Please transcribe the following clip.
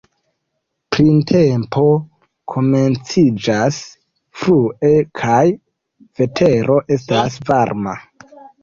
Printempo komenciĝas frue kaj vetero estas varma.